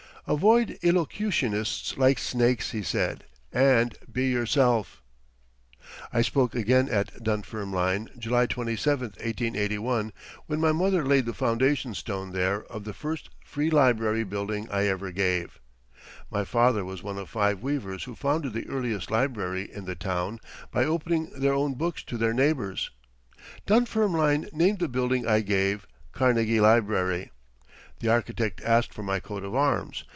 "Avoid elocutionists like snakes," he said, "and be yourself." [Illustration: AN AMERICAN FOUR IN HAND IN BRITAIN] I spoke again at Dunfermline, July 27, 1881, when my mother laid the foundation stone there of the first free library building I ever gave. My father was one of five weavers who founded the earliest library in the town by opening their own books to their neighbors. Dunfermline named the building I gave "Carnegie Library." The architect asked for my coat of arms.